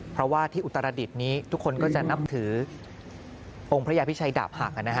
เพราะว่าที่อุตรดิษฐ์นี้ทุกคนก็จะนับถือองค์พระยาพิชัยดาบหัก